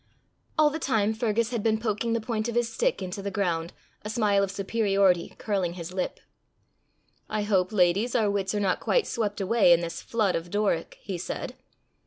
All the time Fergus had been poking the point of his stick into the ground, a smile of superiority curling his lip. "I hope, ladies, our wits are not quite swept away in this flood of Doric," he said.